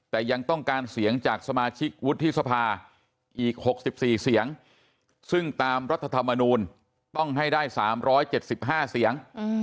แต่ยังต้องการเสียงจากสมาชิกวุฒิสภาอีก๖๔เสียงซึ่งตามรัฐธรรมนูลต้องให้ได้๓๗๕เสียง